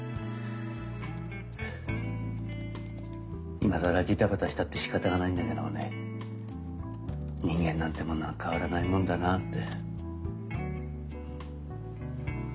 今更ジタバタしたってしかたがないんだけどもね人間なんてものは変わらないもんだなあって。